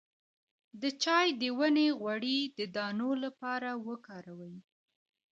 د چای د ونې غوړي د دانو لپاره وکاروئ